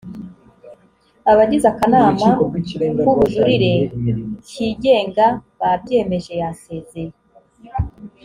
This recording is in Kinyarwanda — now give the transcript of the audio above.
abagize akanama kubujurire kigenga babyemeje yasezeye